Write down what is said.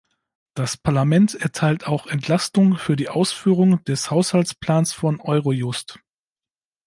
Das Parlament erteilt auch Entlastung für die Ausführung des Haushaltsplans von Eurojust.